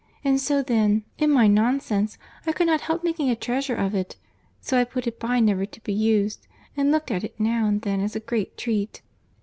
And so then, in my nonsense, I could not help making a treasure of it—so I put it by never to be used, and looked at it now and then as a great treat."